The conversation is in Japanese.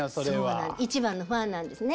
一番のファンなんですね。